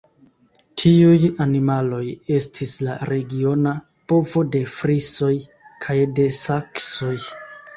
Tiuj animaloj estis la regiona bovo de frisoj kaj de saksoj.